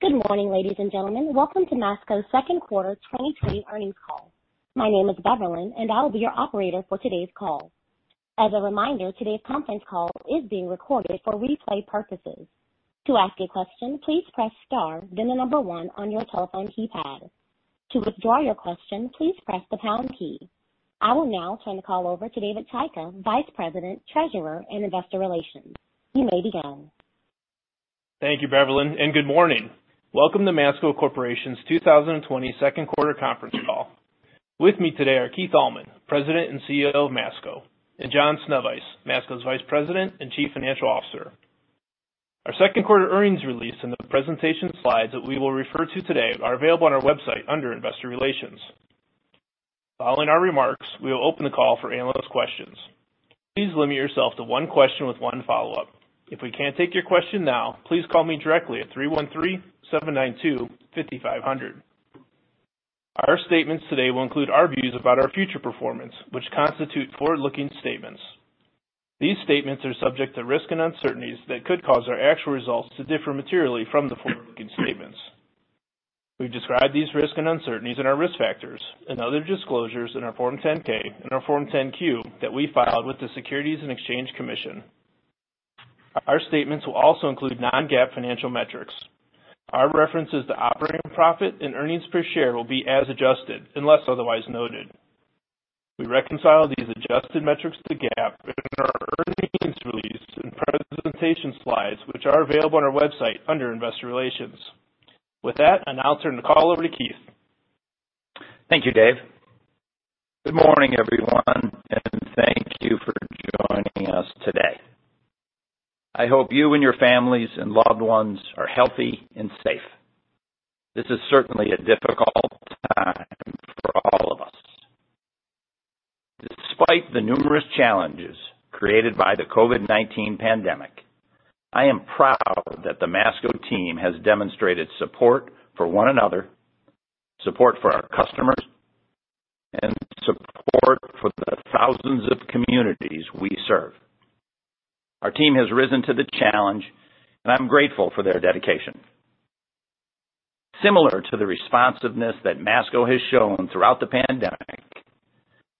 Good morning, ladies and gentlemen. Welcome to Masco's second quarter 2020 earnings call. My name is Beverlyn, and I will be your operator for today's call. As a reminder, today's conference call is being recorded for replay purposes. To ask a question, please press star then the number one on your telephone keypad. To withdraw your question, please press the pound key. I will now turn the call over to David Chaika, Vice President, Treasurer, and Investor Relations. You may begin. Thank you, Beverlyn, and good morning. Welcome to Masco Corporation's 2020 second quarter conference call. With me today are Keith Allman, President and CEO of Masco, and John Sznewajs, Masco's Vice President and Chief Financial Officer. Our second quarter earnings release and the presentation slides that we will refer to today are available on our website under Investor Relations. Following our remarks, we will open the call for analyst questions. Please limit yourself to one question with one follow-up. If we can't take your question now, please call me directly at 313-792-5500. Our statements today will include our views about our future performance, which constitute forward-looking statements. These statements are subject to risks and uncertainties that could cause our actual results to differ materially from the forward-looking statements. We've described these risks and uncertainties in our risk factors and other disclosures in our Form 10-K and our Form 10-Q that we filed with the Securities and Exchange Commission. Our statements will also include non-GAAP financial metrics. Our references to operating profit and earnings per share will be as adjusted unless otherwise noted. We reconcile these adjusted metrics to GAAP in our earnings release and presentation slides, which are available on our website under Investor Relations. With that, I now turn the call over to Keith. Thank you, Dave. Good morning, everyone, and thank you for joining us today. I hope you and your families and loved ones are healthy and safe. This is certainly a difficult time for all of us. Despite the numerous challenges created by the COVID-19 pandemic, I am proud that the Masco team has demonstrated support for one another, support for our customers, and support for the thousands of communities we serve. Our team has risen to the challenge, and I'm grateful for their dedication. Similar to the responsiveness that Masco has shown throughout the pandemic,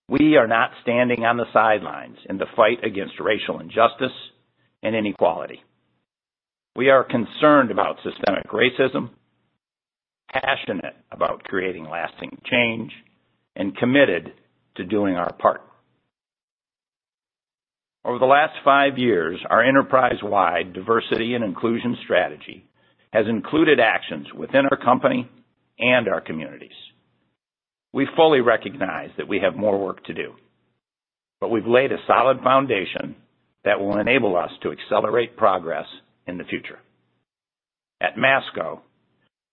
we are not standing on the sidelines in the fight against racial injustice and inequality. We are concerned about systemic racism, passionate about creating lasting change, and committed to doing our part. Over the last five years, our enterprise-wide diversity and inclusion strategy has included actions within our company and our communities. We fully recognize that we have more work to do, but we've laid a solid foundation that will enable us to accelerate progress in the future. At Masco,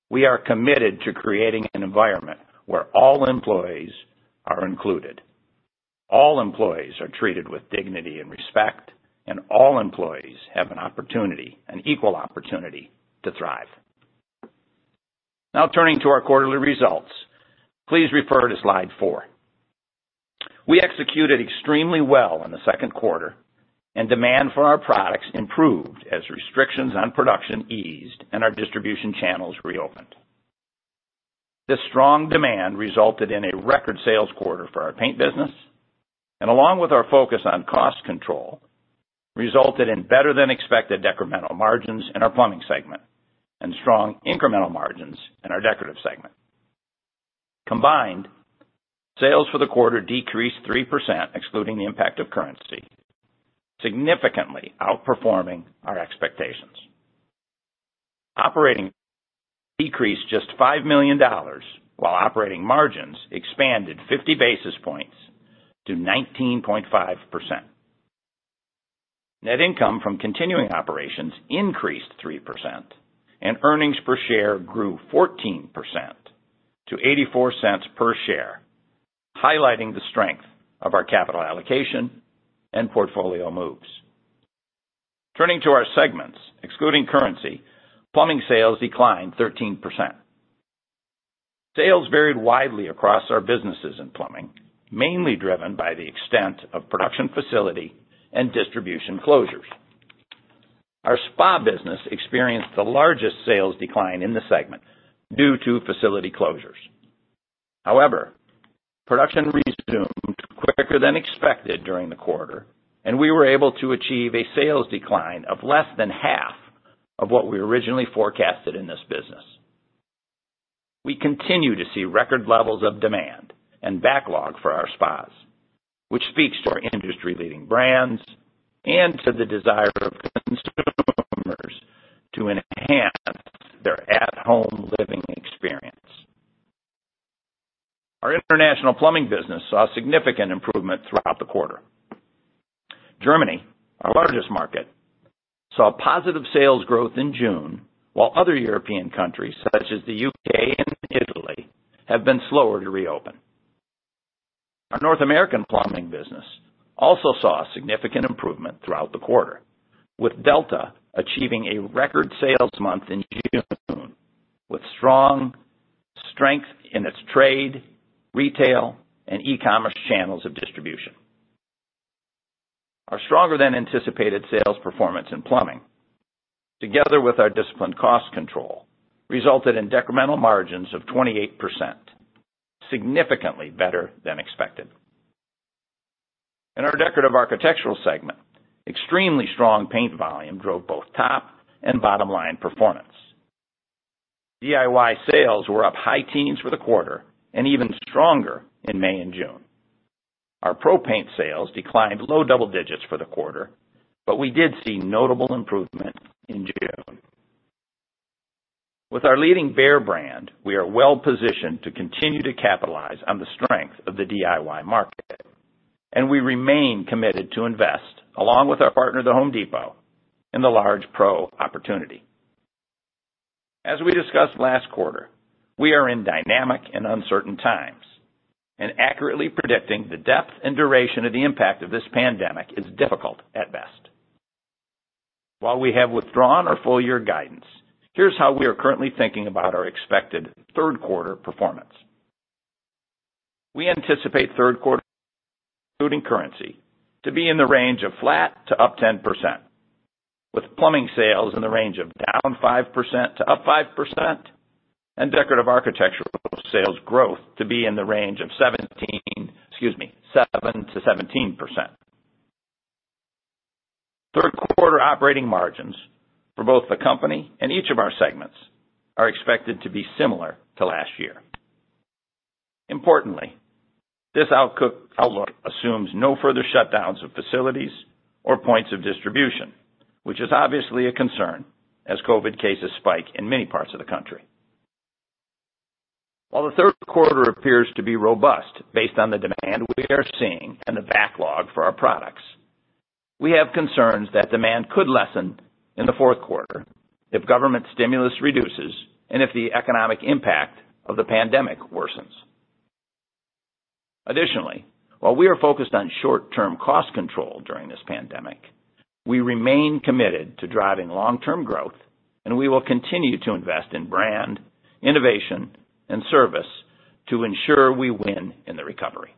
we are committed to creating an environment where all employees are included, all employees are treated with dignity and respect, and all employees have an opportunity, an equal opportunity, to thrive. Now turning to our quarterly results, please refer to slide four. We executed extremely well in the second quarter, and demand for our products improved as restrictions on production eased and our distribution channels reopened. This strong demand resulted in a record sales quarter for our paint business, and along with our focus on cost control, resulted in better than expected decremental margins in our Plumbing Segment and strong incremental margins in our Decorative Segment. Combined, sales for the quarter decreased three percent, excluding the impact of currency, significantly outperforming our expectations. Operating decreased just $5 million while operating margins expanded 50 basis points to 19.5%. Net income from continuing operations increased 3%. Earnings per share grew 14% to $0.84 per share, highlighting the strength of our capital allocation and portfolio moves. Turning to our segments, excluding currency, Plumbing sales declined 13%. Sales varied widely across our businesses in plumbing, mainly driven by the extent of production facility and distribution closures. Our spa business experienced the largest sales decline in the segment due to facility closures. Production resumed quicker than expected during the quarter. We were able to achieve a sales decline of less than half of what we originally forecasted in this business. We continue to see record levels of demand and backlog for our spas, which speaks to our industry-leading brands and to the desire of consumers to enhance their at-home living experience. Our international Plumbing business saw significant improvement throughout the quarter. Germany, our largest market, saw positive sales growth in June, while other European countries such as the U.K. and Italy have been slower to reopen. Our North American Plumbing business also saw a significant improvement throughout the quarter, with Delta achieving a record sales month in June, with strong strength in its trade, retail, and e-commerce channels of distribution. Stronger than anticipated sales performance in Plumbing, together with our disciplined cost control, resulted in decremental margins of 28%, significantly better than expected. In our Decorative Architectural segment, extremely strong paint volume drove both top and bottom-line performance. DIY sales were up high teens for the quarter, and even stronger in May and June. Our pro paint sales declined low double digits for the quarter, but we did see notable improvement in June. With our leading Behr brand, we are well-positioned to continue to capitalize on the strength of the DIY market. We remain committed to invest, along with our partner, The Home Depot, in the large pro opportunity. As we discussed last quarter, we are in dynamic and uncertain times. Accurately predicting the depth and duration of the impact of this pandemic is difficult at best. While we have withdrawn our full year guidance, here's how we are currently thinking about our expected third quarter performance. We anticipate third quarter, including currency, to be in the range of flat to +10%, with Plumbing sales in the range of -5% to +5%. Decorative Architectural sales growth to be in the range of 7%-17%. Third quarter operating margins for both the company and each of our segments are expected to be similar to last year. Importantly, this outlook assumes no further shutdowns of facilities or points of distribution, which is obviously a concern as COVID-19 cases spike in many parts of the country. While the third quarter appears to be robust based on the demand we are seeing and the backlog for our products, we have concerns that demand could lessen in the fourth quarter if government stimulus reduces and if the economic impact of the pandemic worsens. Additionally, while we are focused on short-term cost control during this pandemic, we remain committed to driving long-term growth, and we will continue to invest in brand, innovation, and service to ensure we win in the recovery.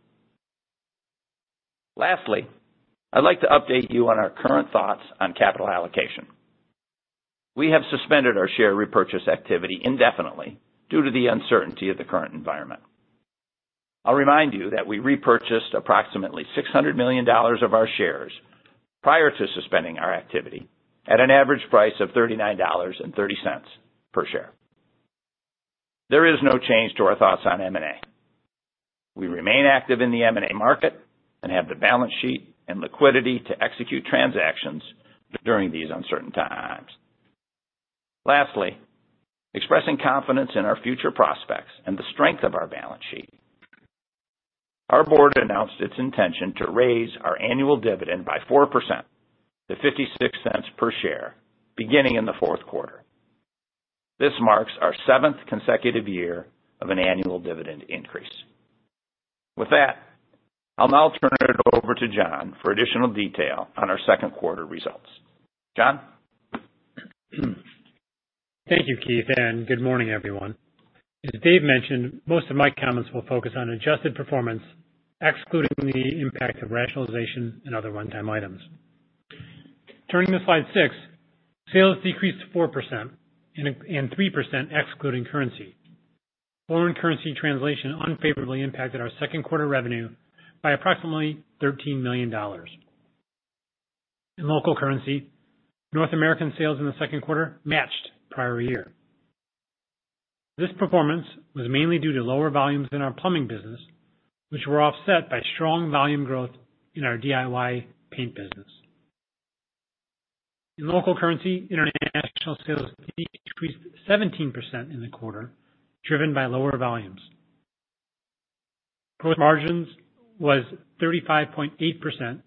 I'd like to update you on our current thoughts on capital allocation. We have suspended our share repurchase activity indefinitely due to the uncertainty of the current environment. I'll remind you that we repurchased approximately $600 million of our shares prior to suspending our activity at an average price of $39.30 per share. There is no change to our thoughts on M&A. We remain active in the M&A market and have the balance sheet and liquidity to execute transactions during these uncertain times. Lastly, expressing confidence in our future prospects and the strength of our balance sheet, our board announced its intention to raise our annual dividend by 4% to $0.56 per share beginning in the fourth quarter. This marks our seventh consecutive year of an annual dividend increase. With that, I'll now turn it over to John for additional detail on our second quarter results. John? Thank you, Keith. Good morning, everyone. As Dave mentioned, most of my comments will focus on adjusted performance, excluding the impact of rationalization and other one-time items. Turning to slide six, sales decreased 4% and 3% excluding currency. Foreign currency translation unfavorably impacted our second quarter revenue by approximately $13 million. In local currency, North American sales in the second quarter matched prior year. This performance was mainly due to lower volumes in our Plumbing business, which were offset by strong volume growth in our DIY paint business. In local currency, international sales decreased 17% in the quarter, driven by lower volumes. Gross margins was 35.8%,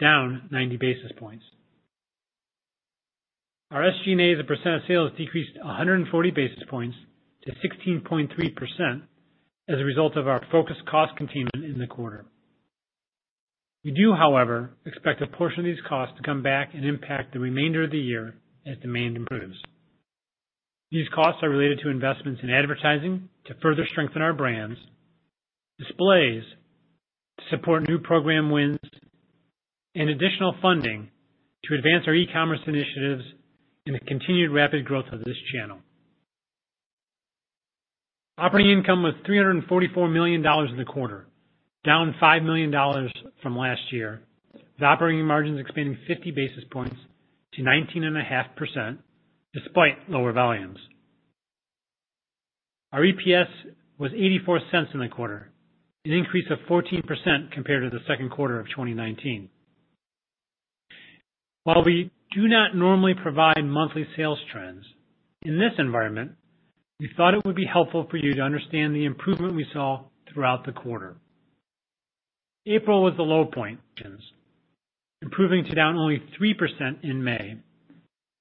down 90 basis points. Our SG&A as a percent of sales decreased 140 basis points to 16.3% as a result of our focused cost containment in the quarter. We do, however, expect a portion of these costs to come back and impact the remainder of the year as demand improves. These costs are related to investments in advertising to further strengthen our brands, displays to support new program wins, and additional funding to advance our e-commerce initiatives in the continued rapid growth of this channel. Operating income was $344 million in the quarter, down $5 million from last year, with operating margins expanding 50 basis points to 19.5% despite lower volumes. Our EPS was $0.84 in the quarter, an increase of 14% compared to the second quarter of 2019. While we do not normally provide monthly sales trends, in this environment, we thought it would be helpful for you to understand the improvement we saw throughout the quarter. April was the low point, improving to down only 3% in May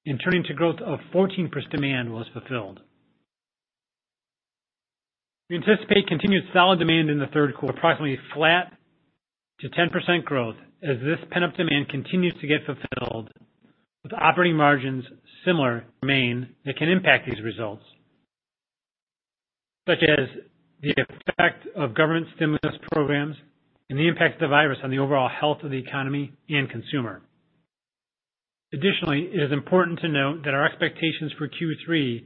and turning to growth of 14% demand was fulfilled. We anticipate continued solid demand in the third quarter, approximately flat to 10% growth as this pent-up demand continues to get fulfilled with operating margins similar. Remain that can impact these results, such as the effect of government stimulus programs and the impact of the virus on the overall health of the economy and consumer. It is important to note that our expectations for Q3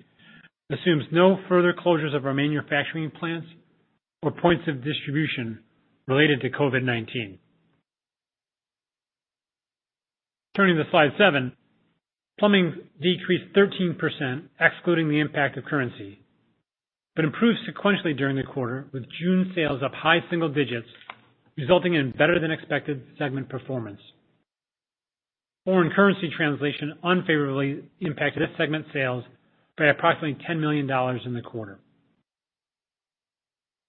assumes no further closures of our manufacturing plants or points of distribution related to COVID-19. Turning to slide seven, Plumbing decreased 13%, excluding the impact of currency, but improved sequentially during the quarter, with June sales up high single digits, resulting in better than expected segment performance. Foreign currency translation unfavorably impacted this segment's sales by approximately $10 million in the quarter.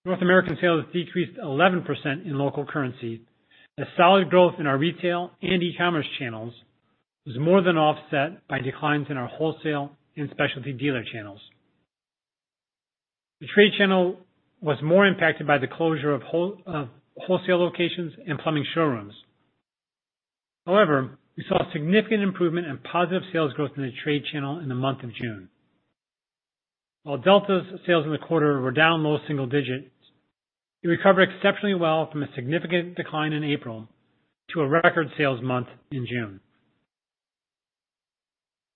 North American sales decreased 11% in local currency as solid growth in our retail and e-commerce channels was more than offset by declines in our wholesale and specialty dealer channels. The trade channel was more impacted by the closure of wholesale locations and plumbing showrooms. We saw a significant improvement in positive sales growth in the trade channel in the month of June. While Delta's sales in the quarter were down low single digits, it recovered exceptionally well from a significant decline in April to a record sales month in June.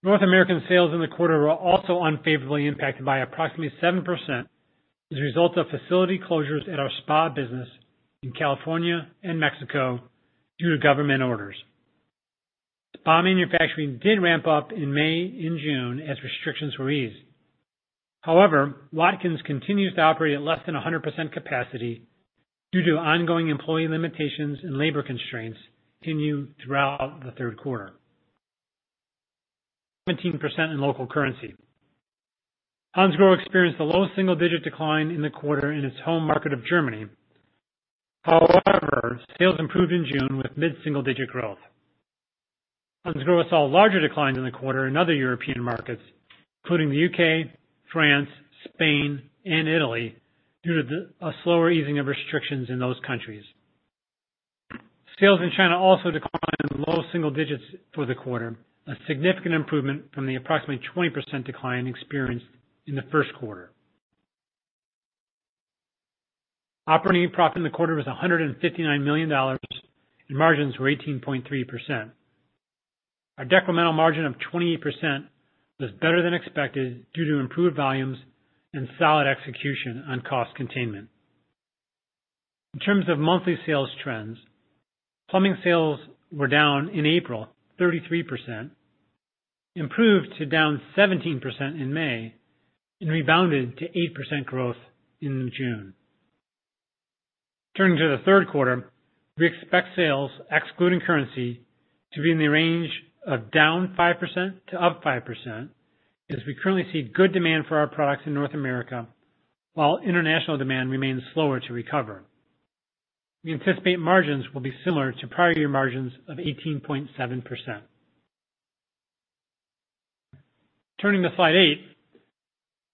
North American sales in the quarter were also unfavorably impacted by approximately 7% as a result of facility closures at our spa business in California and Mexico due to government orders. Spa manufacturing did ramp up in May and June as restrictions were eased. However, Watkins continues to operate at less than 100% capacity due to ongoing employee limitations and labor constraints continued throughout the third quarter. 17% in local currency. Hansgrohe experienced the lowest single-digit decline in the quarter in its home market of Germany. Sales improved in June with mid-single digit growth. Hansgrohe saw larger declines in the quarter in other European markets, including the UK, France, Spain, and Italy, due to a slower easing of restrictions in those countries. Sales in China also declined in low single digits for the quarter, a significant improvement from the approximately 20% decline experienced in the first quarter. Operating profit in the quarter was $159 million, and margins were 18.3%. Our decremental margin of 28% was better than expected due to improved volumes and solid execution on cost containment. In terms of monthly sales trends, Plumbing sales were down in April 33%, improved to down 17% in May, and rebounded to 8% growth in June. Turning to the third quarter, we expect sales excluding currency to be in the range of down 5% to up 5% as we currently see good demand for our products in North America, while international demand remains slower to recover. We anticipate margins will be similar to prior year margins of 18.7%. Turning to slide eight,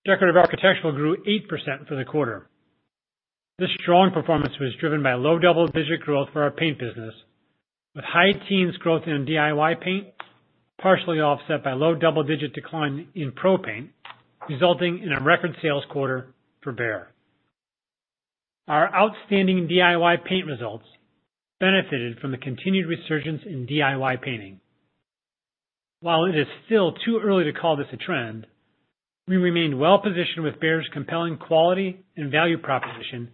Decorative Architectural grew 8% for the quarter. This strong performance was driven by low double-digit growth for our paint business, with high teens growth in DIY paint partially offset by low double-digit decline in pro paint, resulting in a record sales quarter for Behr. Our outstanding DIY paint results benefited from the continued resurgence in DIY painting. While it is still too early to call this a trend, we remain well positioned with Behr's compelling quality and value proposition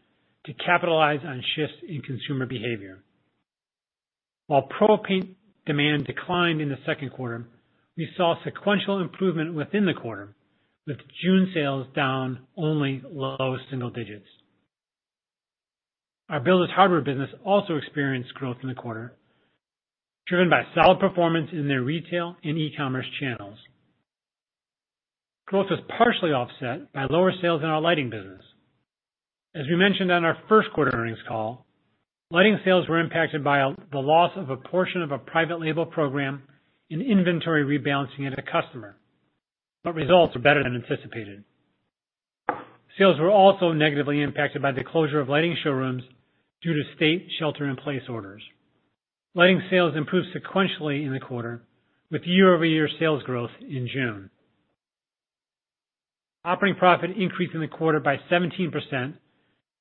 to capitalize on shifts in consumer behavior. While pro paint demand declined in the second quarter, we saw sequential improvement within the quarter, with June sales down only low single digits. Our builders hardware business also experienced growth in the quarter, driven by solid performance in their retail and e-commerce channels. Growth was partially offset by lower sales in our lighting business. As we mentioned on our first quarter earnings call, lighting sales were impacted by the loss of a portion of a private label program and inventory rebalancing at a customer. Results were better than anticipated. Sales were also negatively impacted by the closure of lighting showrooms due to state shelter in place orders. Lighting sales improved sequentially in the quarter, with YoY sales growth in June. Operating profit increased in the quarter by 17%,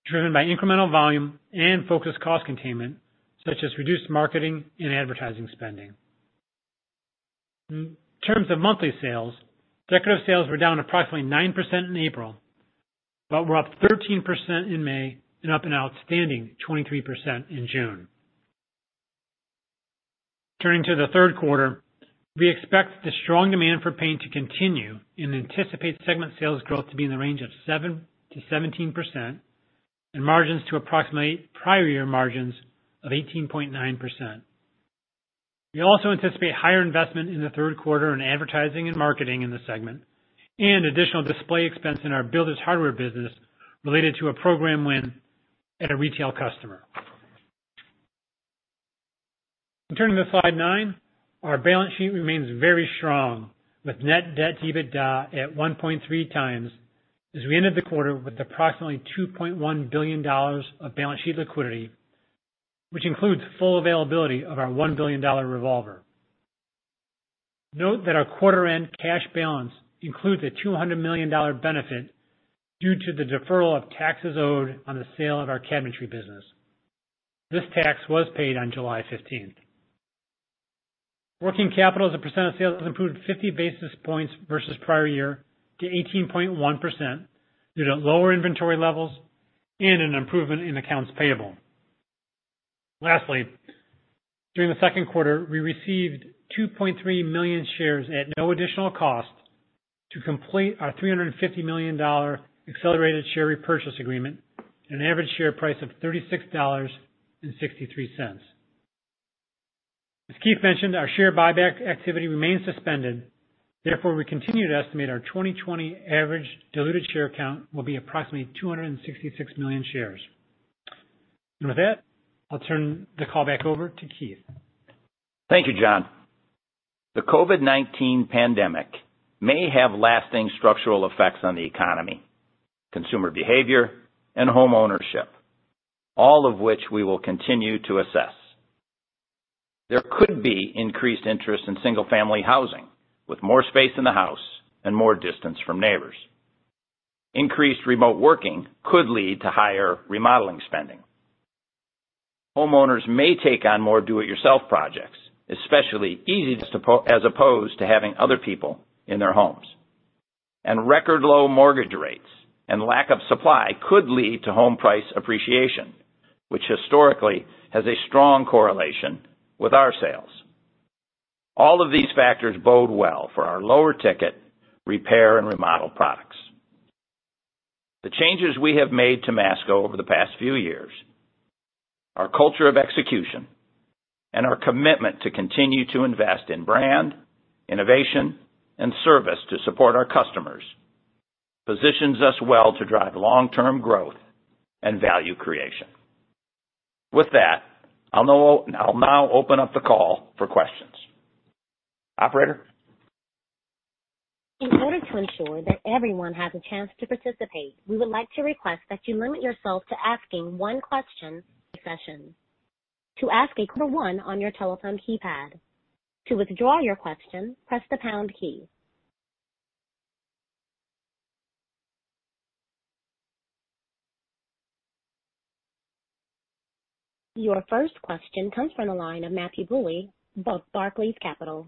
driven by incremental volume and focused cost containment, such as reduced marketing and advertising spending. In terms of monthly sales, decorative sales were down approximately 9% in April, were up 13% in May and up an outstanding 23% in June. Turning to the third quarter, we expect the strong demand for paint to continue and anticipate segment sales growth to be in the range of 7%-17% and margins to approximate prior year margins of 18.9%. We also anticipate higher investment in the third quarter in advertising and marketing in the segment and additional display expense in our builders hardware business related to a program win at a retail customer. Turning to slide nine, our balance sheet remains very strong, with net debt to EBITDA at 1.3x as we ended the quarter with approximately $2.1 billion of balance sheet liquidity, which includes full availability of our $1 billion revolver. Note that our quarter-end cash balance includes a $200 million benefit due to the deferral of taxes owed on the sale of our Cabinetry business. This tax was paid on July 15th. Working capital as a percentage of sales improved 50 basis points versus prior year to 18.1% due to lower inventory levels and an improvement in accounts payable. Lastly, during the second quarter, we received 2.3 million shares at no additional cost to complete our $350 million accelerated share repurchase agreement at an average share price of $36.63. As Keith mentioned, our share buyback activity remains suspended. We continue to estimate our 2020 average diluted share count will be approximately 266 million shares. With that, I'll turn the call back over to Keith. Thank you, John. The COVID-19 pandemic may have lasting structural effects on the economy, consumer behavior, and homeownership, all of which we will continue to assess. There could be increased interest in single-family housing with more space in the house and more distance from neighbors. Increased remote working could lead to higher remodeling spending. Homeowners may take on more do-it-yourself projects, especially easy, as opposed to having other people in their homes. Record low mortgage rates and lack of supply could lead to home price appreciation, which historically has a strong correlation with our sales. All of these factors bode well for our lower-ticket repair and remodel products. The changes we have made to Masco over the past few years, our culture of execution, and our commitment to continue to invest in brand, innovation, and service to support our customers, positions us well to drive long-term growth and value creation. With that, I'll now open up the call for questions. Operator? In order to ensure that everyone has a chance to participate, we would like to request that you limit yourself to asking one question session. To ask press one on your telephone keypad. To withdraw your question, press the pound key. Your first question comes from the line of Matthew Bouley, Barclays Capital.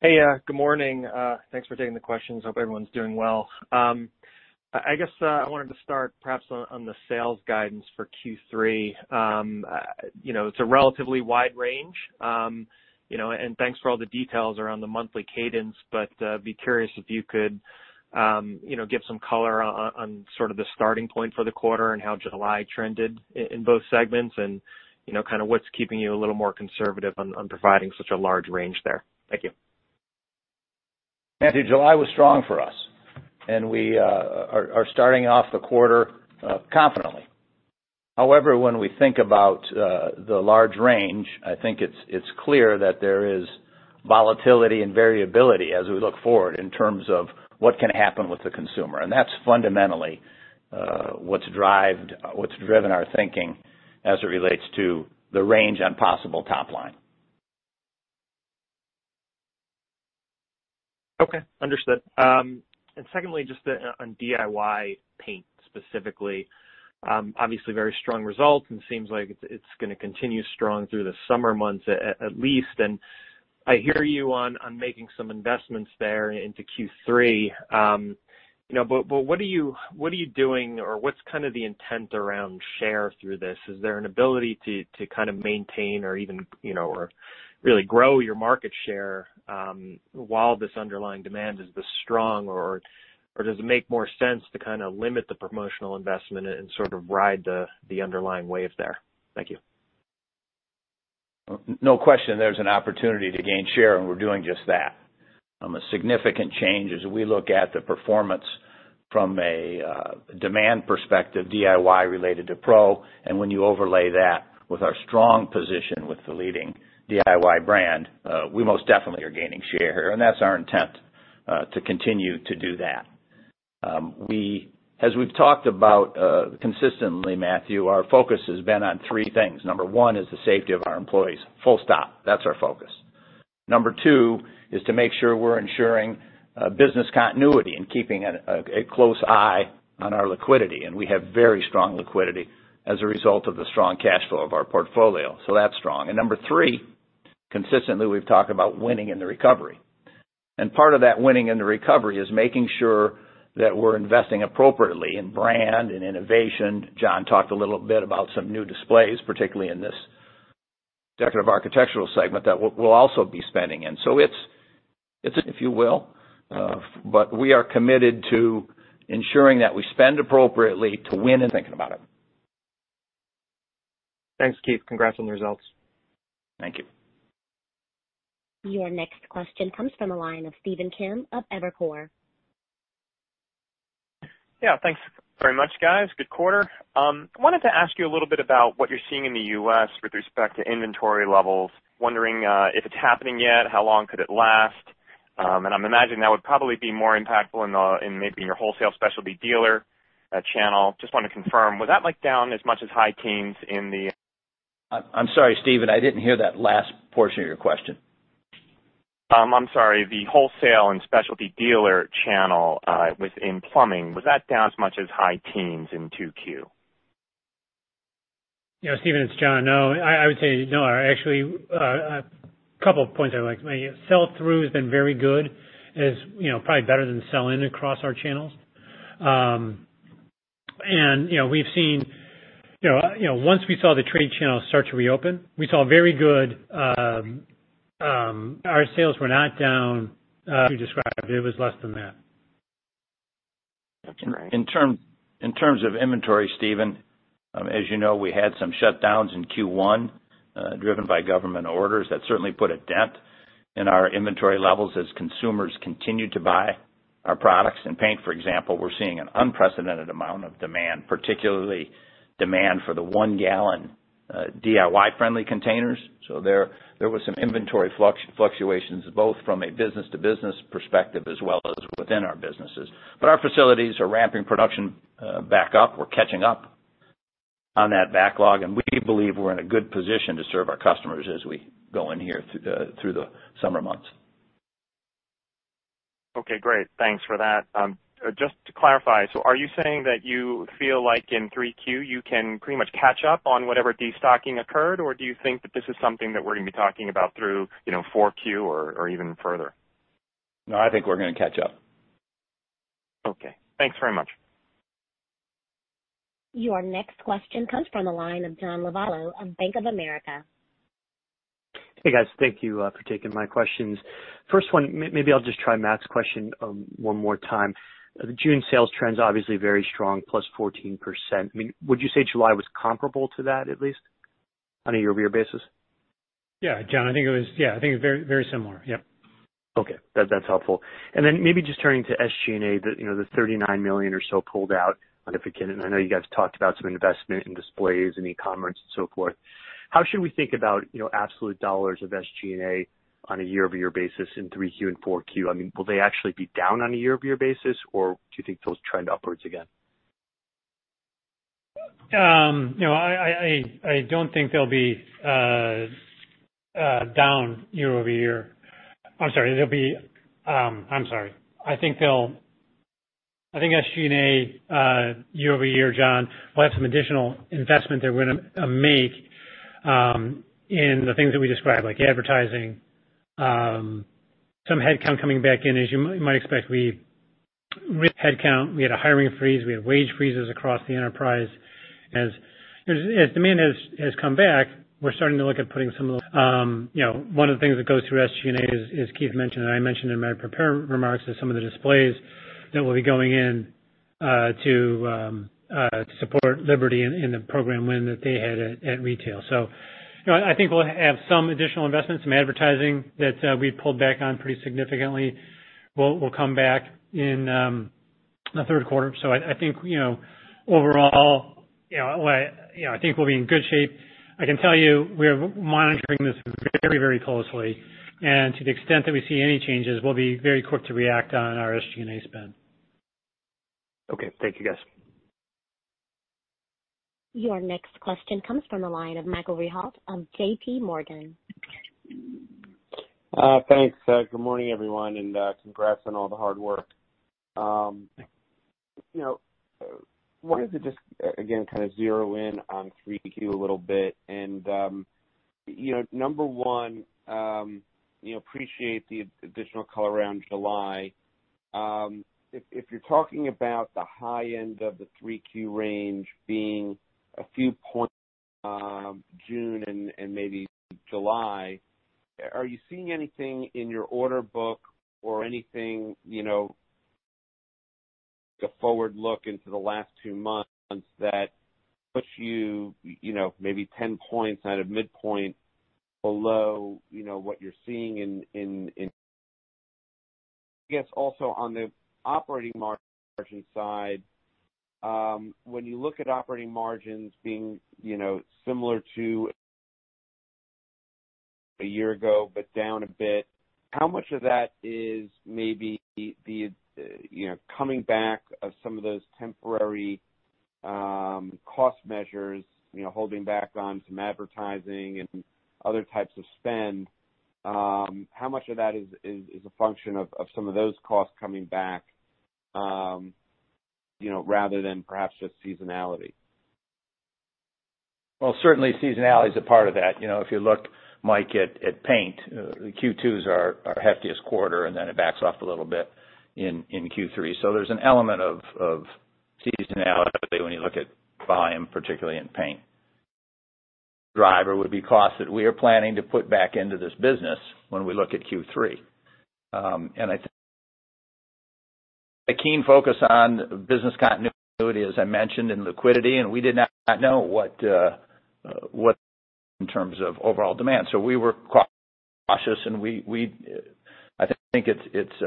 Hey, good morning. Thanks for taking the questions. Hope everyone's doing well. I guess, I wanted to start perhaps on the sales guidance for Q3. It's a relatively wide range. Thanks for all the details around the monthly cadence, be curious if you could give some color on sort of the starting point for the quarter and how July trended in both segments and kind of what's keeping you a little more conservative on providing such a large range there. Thank you. Matthew, July was strong for us, and we are starting off the quarter confidently. However, when we think about the large range, I think it's clear that there is volatility and variability as we look forward in terms of what can happen with the consumer. That's fundamentally what's driven our thinking as it relates to the range on possible top line. Okay. Understood. Secondly, just on DIY paint specifically. Obviously very strong results and seems like it's going to continue strong through the summer months at least. I hear you on making some investments there into Q3. What are you doing or what's kind of the intent around share through this? Is there an ability to kind of maintain or even really grow your market share while this underlying demand is this strong? Does it make more sense to kind of limit the promotional investment and sort of ride the underlying wave there? Thank you. No question there's an opportunity to gain share, and we're doing just that. A significant change as we look at the performance from a demand perspective, DIY related to pro. When you overlay that with our strong position with the leading DIY brand, we most definitely are gaining share here. That's our intent to continue to do that. As we've talked about consistently, Matthew, our focus has been on three things. Number one is the safety of our employees. Full stop. That's our focus. Number two is to make sure we're ensuring business continuity and keeping a close eye on our liquidity. We have very strong liquidity as a result of the strong cash flow of our portfolio. That's strong. Number three, consistently, we've talked about winning in the recovery. Part of that winning in the recovery is making sure that we're investing appropriately in brand and innovation. John talked a little bit about some new displays, particularly in this Decorative Architectural segment that we'll also be spending in. If you will, we are committed to ensuring that we spend appropriately to win and thinking about it. Thanks, Keith. Congrats on the results. Thank you. Your next question comes from the line of Stephen Kim of Evercore. Yeah. Thanks very much, guys. Good quarter. I wanted to ask you a little bit about what you're seeing in the U.S. with respect to inventory levels. Wondering if it's happening yet, how long could it last? I'm imagining that would probably be more impactful in maybe your wholesale specialty dealer channel. Just want to confirm, was that down as much as high teens in the- I'm sorry, Stephen, I didn't hear that last portion of your question. I'm sorry. The wholesale and specialty dealer channel within Plumbing, was that down as much as high teens in Q2? Yeah, Stephen, it's John. No. I would say no. Actually, two points I would like to make. Sell-through has been very good, probably better than sell-in across our channels. Once we saw the trade channels start to reopen, Our sales were not down as you described. It was less than that. That's all right. In terms of inventory, Stephen, as you know, we had some shutdowns in Q1 driven by government orders. That certainly put a dent in our inventory levels as consumers continued to buy our products. In paint, for example, we're seeing an unprecedented amount of demand, particularly demand for the one-gallon DIY-friendly containers. There was some inventory fluctuations, both from a business-to-business perspective, as well as within our businesses. Our facilities are ramping production back up. We're catching up on that backlog, and we believe we're in a good position to serve our customers as we go in here through the summer months. Okay, great. Thanks for that. Just to clarify, are you saying that you feel like in Q3, you can pretty much catch up on whatever destocking occurred, or do you think that this is something that we're going to be talking about through Q4 or even further? No, I think we're going to catch up. Okay. Thanks very much. Your next question comes from the line of John Lovallo of Bank of America. Hey, guys. Thank you for taking my questions. First one, maybe I'll just try Matt's question one more time. The June sales trends are obviously very strong, plus 14%. Would you say July was comparable to that at least, on a YoY basis? Yeah, John, I think it's very similar. Yep. Okay. That's helpful. Maybe just turning to SG&A, the $39 million or so pulled out on a 529. I know you guys talked about some investment in displays and e-commerce and so forth. How should we think about absolute dollars of SG&A on a YoY basis in Q3 and Q4? Will they actually be down on a YoY basis, or do you think they'll trend upwards again? I don't think they'll be down YoY. I'm sorry. I think SG&A YoY, John, will have some additional investment that we're going to make in the things that we described, like advertising. Some headcount coming back in. As you might expect, we read headcount. We had a hiring freeze. We had wage freezes across the enterprise. As demand has come back, we're starting to look at putting One of the things that goes through SG&A, as Keith mentioned and I mentioned in my prepared remarks, is some of the displays that will be going in to support Liberty in the program win that they had at retail. I think we'll have some additional investment, some advertising that we pulled back on pretty significantly, will come back in the third quarter. I think overall, I think we'll be in good shape. I can tell you we are monitoring this very closely, and to the extent that we see any changes, we'll be very quick to react on our SGA spend. Okay. Thank you, guys. Your next question comes from the line of Michael Rehaut of J.P. Morgan. Thanks. Good morning, everyone, and congrats on all the hard work. Wanted to just, again, kind of zero in on Q3 a little bit and, number one, appreciate the additional color around July. If you're talking about the high end of the Q3 range being a few points June and maybe July, are you seeing anything in your order book or anything, the forward look into the last two months that puts you maybe 10 points out of midpoint below what you're seeing in I guess also on the operating margin side, when you look at operating margins being similar to a year ago, but down a bit, how much of that is maybe the coming back of some of those temporary cost measures, holding back on some advertising and other types of spend? How much of that is a function of some of those costs coming back rather than perhaps just seasonality? Well, certainly seasonality is a part of that. If you look, Mike, at paint, Q2 is our heftiest quarter, and then it backs off a little bit in Q3. There's an element of seasonality when you look at volume, particularly in paint. Driver would be cost that we are planning to put back into this business when we look at Q3. I think a keen focus on business continuity, as I mentioned, and liquidity, and we did not know what in terms of overall demand. We were cautious, and I think it's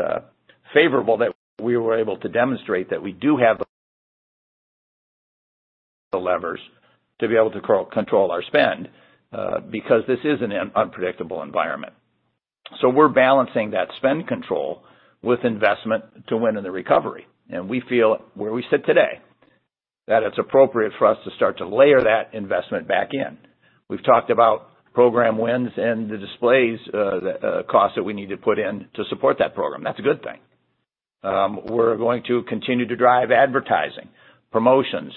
favorable that we were able to demonstrate that we do have The levers to be able to control our spend, because this is an unpredictable environment. We're balancing that spend control with investment to win in the recovery. We feel where we sit today, that it's appropriate for us to start to layer that investment back in. We've talked about program wins and the displays cost that we need to put in to support that program. That's a good thing. We're going to continue to drive advertising, promotions,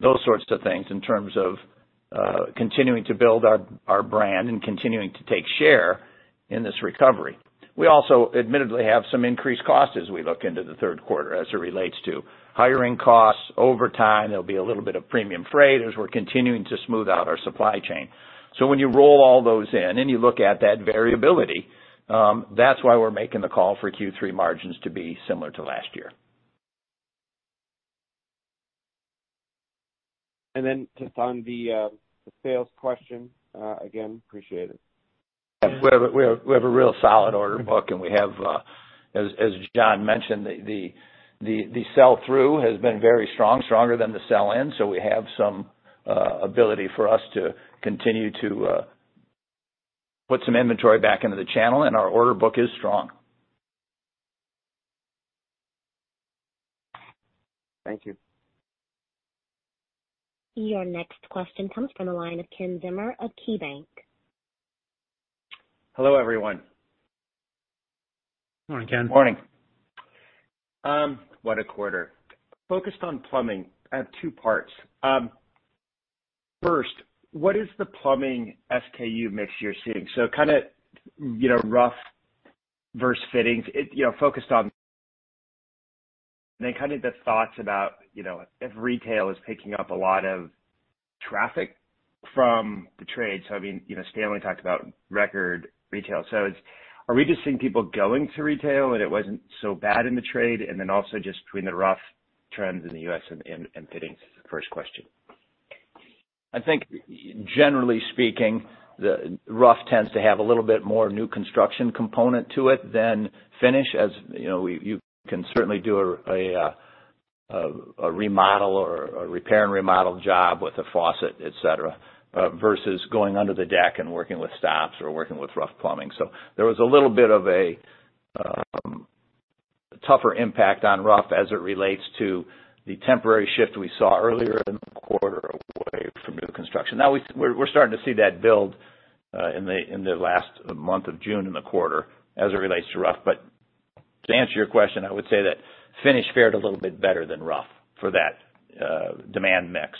those sorts of things in terms of continuing to build our brand and continuing to take share in this recovery. We also admittedly have some increased costs as we look into the third quarter as it relates to hiring costs, overtime. There'll be a little bit of premium freight as we're continuing to smooth out our supply chain. When you roll all those in and you look at that variability, that's why we're making the call for Q3 margins to be similar to last year. Just on the sales question, again, appreciate it. We have a real solid order book, and we have, as John mentioned, the sell-through has been very strong, stronger than the sell-in. We have some ability for us to continue to put some inventory back into the channel, and our order book is strong. Thank you. Your next question comes from the line of Ken Zener of KeyBanc. Hello, everyone. Morning, Ken. Morning. What a quarter. Focused on Plumbing. I have two parts. First, what is the Plumbing SKU mix you're seeing? Kind of rough versus fittings. Then kind of the thoughts about if retail is picking up a lot of traffic from the trade. I mean, Stanley talked about record retail. Are we just seeing people going to retail, and it wasn't so bad in the trade? Then also just between the rough trends in the U.S. and fittings is the first question. I think generally speaking, the rough tends to have a little bit more new construction component to it than finish. As you know, you can certainly do a remodel or a repair and remodel job with a faucet, et cetera, versus going under the deck and working with stops or working with rough plumbing. There was a little bit of a tougher impact on rough as it relates to the temporary shift we saw earlier in the quarter away from new construction. We're starting to see that build in the last month of June in the quarter as it relates to rough. To answer your question, I would say that finish fared a little bit better than rough for that demand mix.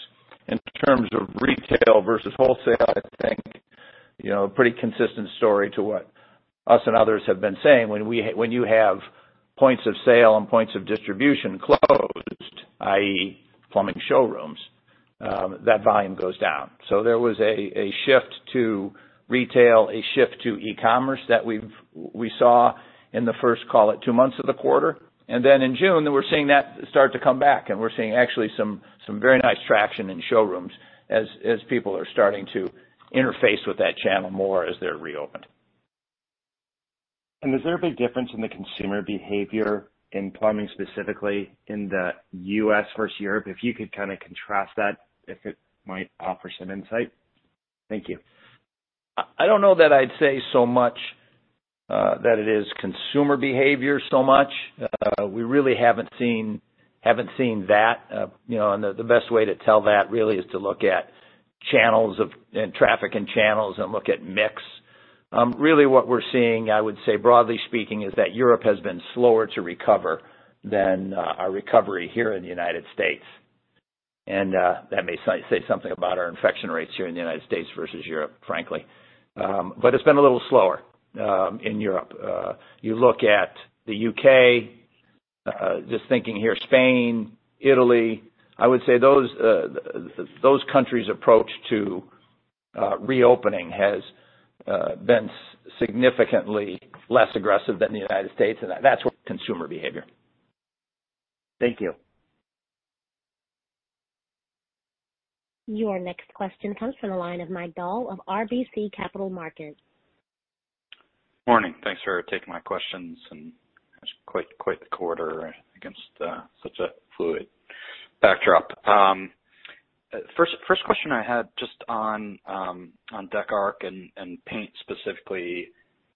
In terms of retail versus wholesale, I think a pretty consistent story to what us and others have been saying. When you have points of sale and points of distribution closed, i.e., plumbing showrooms, that volume goes down. There was a shift to retail, a shift to e-commerce that we saw in the first, call it, two months of the quarter. In June, we're seeing that start to come back, and we're seeing actually some very nice traction in showrooms as people are starting to interface with that channel more as they're reopened. Is there a big difference in the consumer behavior in Plumbing, specifically in the U.S. versus Europe? If you could kind of contrast that, if it might offer some insight. Thank you. I don't know that I'd say so much that it is consumer behavior so much. We really haven't seen that. The best way to tell that really is to look at traffic and channels and look at mix. Really what we're seeing, I would say, broadly speaking, is that Europe has been slower to recover than our recovery here in the United States. That may say something about our infection rates here in the United States versus Europe, frankly. It's been a little slower in Europe. You look at the U.K., just thinking here, Spain, Italy, I would say those countries' approach to reopening has been significantly less aggressive than the United States, and that's consumer behavior. Thank you. Your next question comes from the line of Mike Dahl of RBC Capital Markets. Morning. Thanks for taking my questions. That's quite the quarter against such a fluid backdrop. First question I had just on Deco and paint specifically.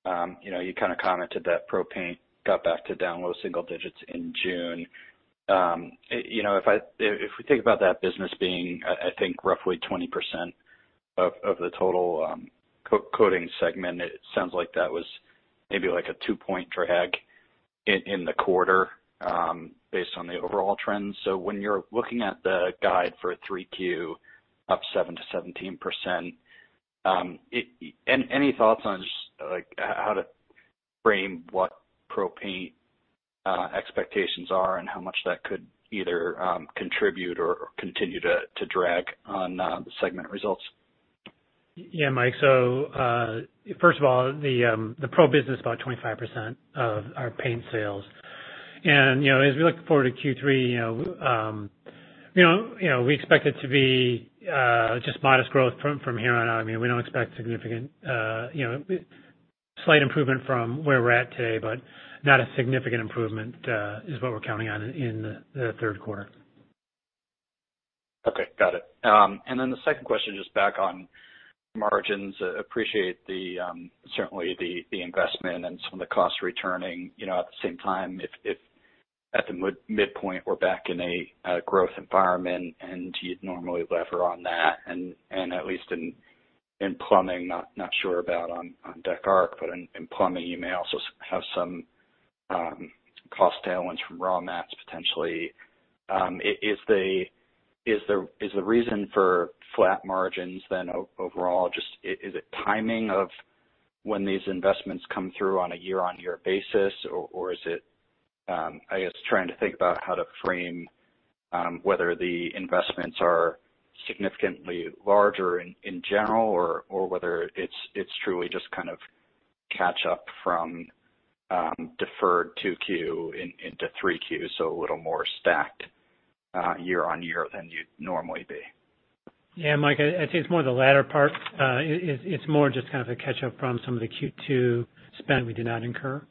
You kind of commented that pro paint got back to down low single digits in June. If we think about that business being, I think, roughly 20% of the total coating segment, it sounds like that was maybe like a two-point drag in the quarter based on the overall trends. When you're looking at the guide for Q3 up 7%-17%, any thoughts on just how to frame what pro paint expectations are and how much that could either contribute or continue to drag on the segment results? Yeah, Mike. First of all, the pro business is about 25% of our paint sales. As we look forward to Q3, we expect it to be just modest growth from here on out. We don't expect slight improvement from where we're at today, but not a significant improvement, is what we're counting on in the third quarter. Okay, got it. The second question, just back on margins. Appreciate certainly the investment and some of the cost returning. At the same time, if at the midpoint, we're back in a growth environment and you'd normally lever on that, and at least in Plumbing, not sure about on Deco, but in Plumbing, you may also have some cost tailwinds from raw mats potentially. Is the reason for flat margins then overall just, is it timing of when these investments come through on a year-on-year basis? Is it, I guess trying to think about how to frame whether the investments are significantly larger in general or whether it's truly just kind of catch up from deferred Q2 into Q3, so a little more stacked year-on-year than you'd normally be? Mike, I'd say it's more the latter part. It's more just kind of a catch up from some of the Q2 spend we did not incur.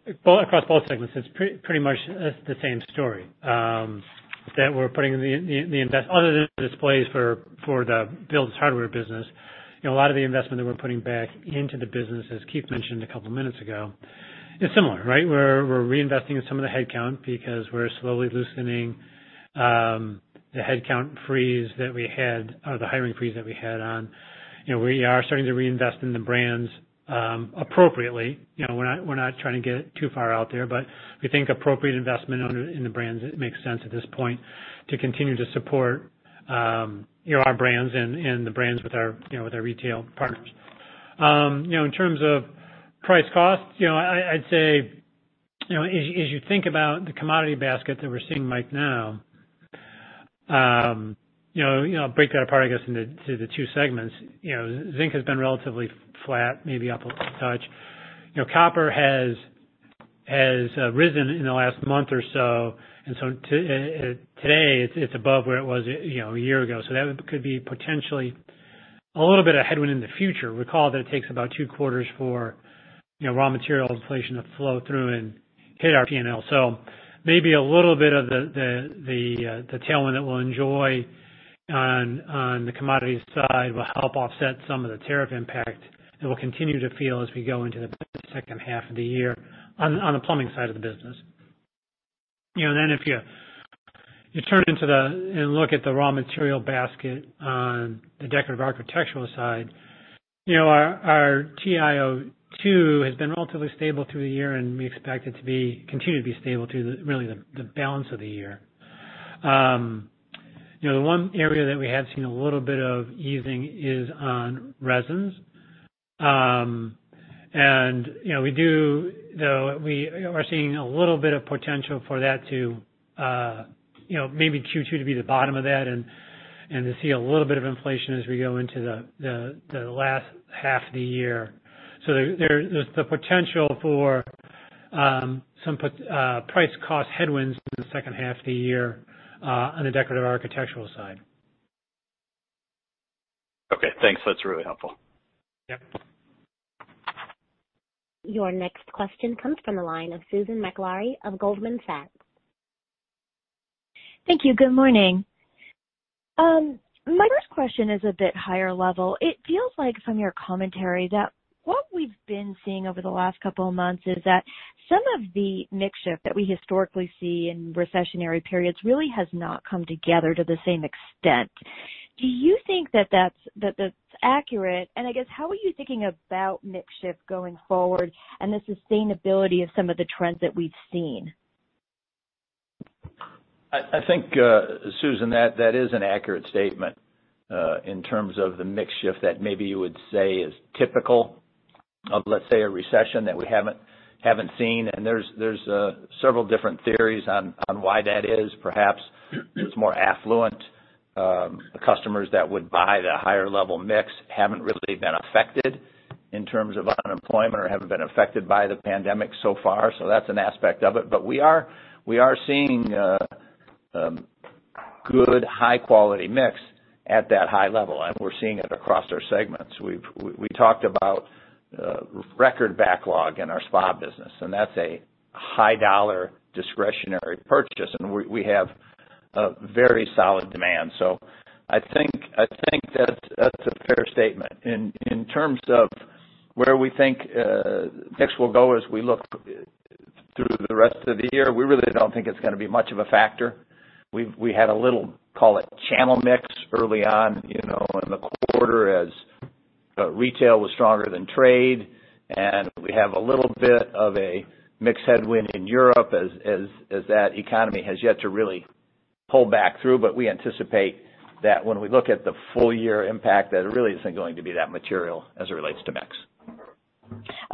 Across both segments, it's pretty much the same story, that we're putting the investment other than displays for the Liberty Hardware business, a lot of the investment that we're putting back into the business, as Keith mentioned a couple of minutes ago, is similar, right? We're reinvesting in some of the headcount because we're slowly loosening the headcount freeze that we had, or the hiring freeze that we had on. We are starting to reinvest in the brands appropriately. We're not trying to get too far out there, but we think appropriate investment in the brands makes sense at this point to continue to support our brands and the brands with our retail partners. In terms of price cost, I'd say, as you think about the commodity basket that we're seeing, Mike, now, break that apart, I guess, into the two segments. Zinc has been relatively flat, maybe up a touch. Copper has risen in the last month or so, and so today it's above where it was a year ago. That could be potentially a little bit of headwind in the future. Recall that it takes about two quarters for raw material inflation to flow through and hit our P&L. Maybe a little bit of the tailwind that we'll enjoy on the commodities side will help offset some of the tariff impact that we'll continue to feel as we go into the second half of the year on the plumbing side of the business. If you look at the raw material basket on the Decorative Architectural side, our TiO2 has been relatively stable through the year, and we expect it to continue to be stable through really the balance of the year. The one area that we have seen a little bit of easing is on resins. We do, though, we are seeing a little bit of potential for that to maybe Q2 to be the bottom of that and to see a little bit of inflation as we go into the last half of the year. There's the potential for some price cost headwinds in the second half of the year on the Decorative Architectural side. Okay, thanks. That's really helpful. Yep. Your next question comes from the line of Susan Maklari of Goldman Sachs. Thank you. Good morning. My first question is a bit higher level. It feels like from your commentary that what we've been seeing over the last couple of months is that some of the mix shift that we historically see in recessionary periods really has not come together to the same extent. Do you think that that's accurate? I guess, how are you thinking about mix shift going forward and the sustainability of some of the trends that we've seen? I think, Susan, that is an accurate statement, in terms of the mix shift that maybe you would say is typical of, let's say, a recession that we haven't seen. There's several different theories on why that is. Perhaps it's more affluent customers that would buy the higher-level mix haven't really been affected in terms of unemployment or haven't been affected by the pandemic so far. That's an aspect of it. We are seeing good, high-quality mix at that high level, and we're seeing it across our segments. We talked about record backlog in our spa business, and that's a high-dollar discretionary purchase, and we have a very solid demand. I think that's a fair statement. In terms of where we think mix will go as we look through the rest of the year, we really don't think it's going to be much of a factor. We had a little, call it channel mix early on in the quarter as retail was stronger than trade, and we have a little bit of a mix headwind in Europe as that economy has yet to really pull back through. We anticipate that when we look at the full year impact, that it really isn't going to be that material as it relates to mix.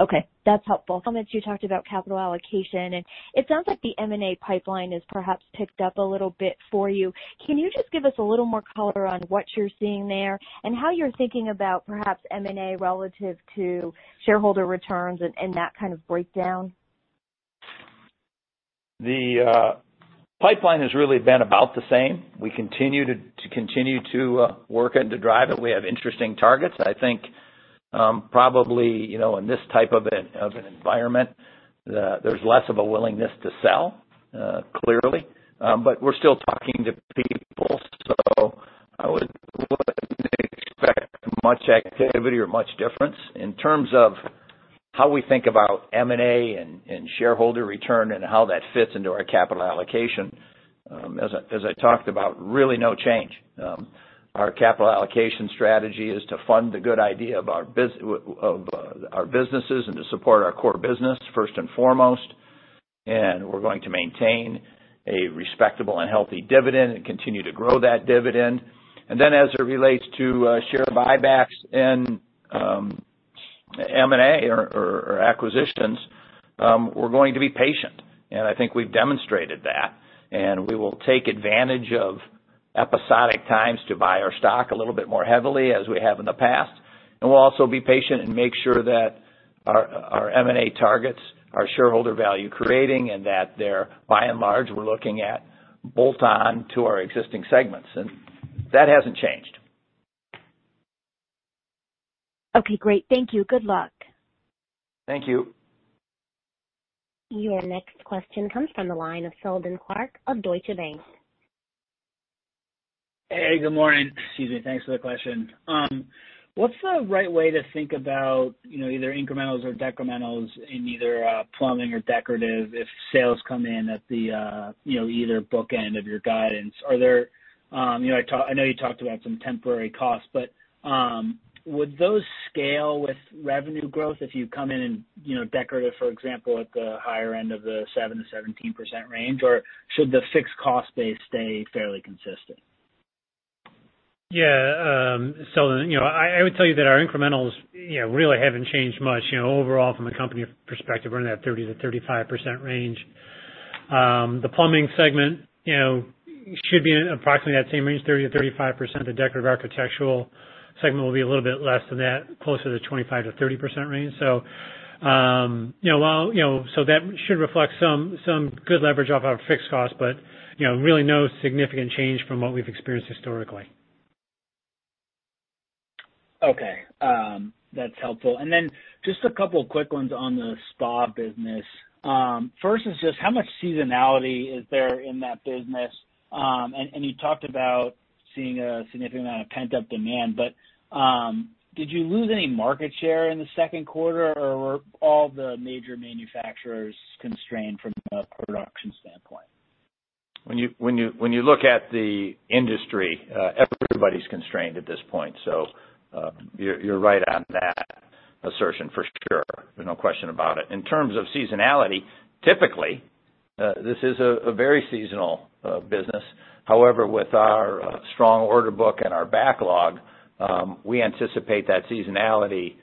Okay. That's helpful. Comments you talked about capital allocation, and it sounds like the M&A pipeline has perhaps picked up a little bit for you. Can you just give us a little more color on what you're seeing there and how you're thinking about perhaps M&A relative to shareholder returns and that kind of breakdown? The pipeline has really been about the same. We continue to work and to drive it. We have interesting targets. I think probably in this type of an environment, there's less of a willingness to sell, clearly. We're still talking to people, so I wouldn't expect much activity or much difference. In terms of how we think about M&A and shareholder return and how that fits into our capital allocation, as I talked about, really no change. Our capital allocation strategy is to fund the good idea of our businesses and to support our core business first and foremost. We're going to maintain a respectable and healthy dividend and continue to grow that dividend. As it relates to share buybacks and M&A or acquisitions, we're going to be patient, and I think we've demonstrated that. We will take advantage of episodic times to buy our stock a little bit more heavily as we have in the past. We'll also be patient and make sure that our M&A targets are shareholder value creating and that they're, by and large, we're looking at bolt on to our existing segments, and that hasn't changed. Okay, great. Thank you. Good luck. Thank you. Your next question comes from the line of Seldon Clarke of Deutsche Bank. Hey, good morning. Excuse me. Thanks for the question. What's the right way to think about either incrementals or decrementals in either Plumbing or decorative if sales come in at the either bookend of your guidance? I know you talked about some temporary costs, would those scale with revenue growth if you come in in decorative, for example, at the higher end of the 7%-17% range, or should the fixed cost base stay fairly consistent? Yeah. Seldon, I would tell you that our incrementals really haven't changed much. Overall, from a company perspective, we're in that 30%-35% range. The Plumbing segment should be in approximately that same range, 30%-35%. The Decorative Architectural segment will be a little bit less than that, closer to the 25%-30% range. That should reflect some good leverage off our fixed costs, but really no significant change from what we've experienced historically. Okay. That's helpful. Just a couple quick ones on the spa business. First is just how much seasonality is there in that business? You talked about seeing a significant amount of pent-up demand, but did you lose any market share in the second quarter, or were all the major manufacturers constrained from a production standpoint? When you look at the industry, everybody's constrained at this point. You're right on that assertion for sure. No question about it. In terms of seasonality, typically, this is a very seasonal business. However, with our strong order book and our backlog, we anticipate that seasonality